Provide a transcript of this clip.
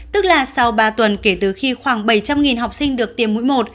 tức là sau ba tuần kể từ khi khoảng bảy trăm linh học sinh được tiêm mũi một